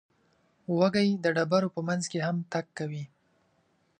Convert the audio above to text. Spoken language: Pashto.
وزې د ډبرو په منځ کې هم تګ کوي